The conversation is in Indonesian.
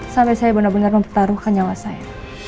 sampai saya benar benar mempertaruhkan nyawa saya